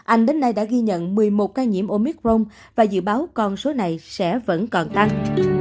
anh đến nay đã ghi nhận một mươi một ca nhiễm omicron và dự báo con số này sẽ vẫn còn tăng